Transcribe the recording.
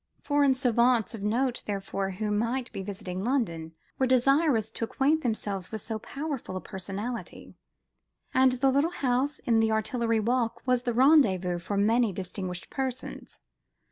Foreign savants of note, therefore, who might be visiting London, were desirous to acquaint themselves with so powerful a personality: and the little house in the Artillery Walk was the rendezvous for many distinguished persons.